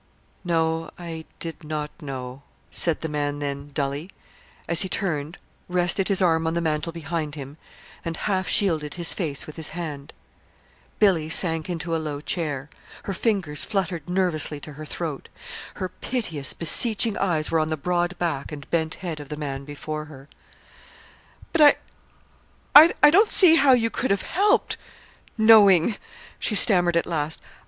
"No, I did not know," said the man then, dully, as he turned, rested his arm on the mantel behind him, and half shielded his face with his hand. Billy sank into a low chair. Her fingers fluttered nervously to her throat. Her piteous, beseeching eyes were on the broad back and bent head of the man before her. "But I I don't see how you could have helped knowing," she stammered at last.